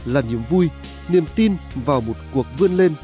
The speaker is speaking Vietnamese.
là niềm vui niềm tin vào một cuộc vươn lên